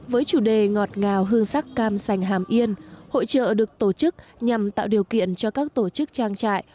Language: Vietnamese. với chủ đề ngọt ngào hương sắc cam sành hàm yên hội trợ được tổ chức nhằm tạo điều kiện cho các tổ chức trang trại